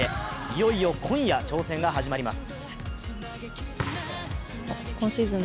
いよいよ今夜、挑戦が始まります。